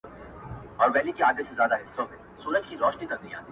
نن مي بيا يادېږي ورځ تېرېږي.